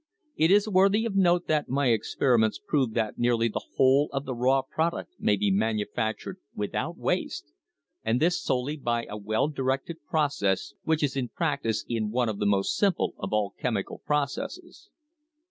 It is worthy of note that my experi ments prove that nearly the whole of the raw product may be manufactured without waste, and this solely by a well directed process which is in practice in one of the most simple of all chemical processes."